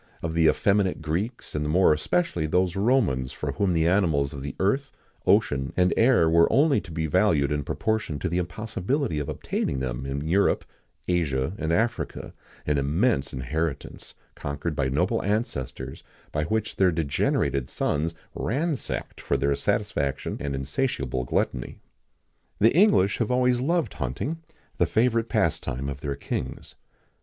of the effeminate Greeks, and more especially those Romans for whom the animals of the earth, ocean, and air were only to be valued in proportion to the impossibility of obtaining them in Europe, Asia, and Africa; an immense inheritance, conquered by noble ancestors, and which their degenerated sons ransacked for their satisfaction and insatiable gluttony.[XIX 39] The English have always loved hunting the favourite pastime of their kings.